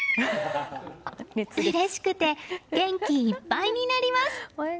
うれしくて元気いっぱいになります。